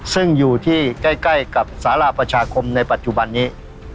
ซึ่งอยู่ที่ใกล้กับสารประชาคมในปัจจุบันนี้